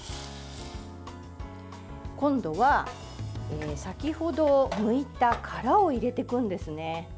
今度は先ほどむいた殻を入れていくんですね。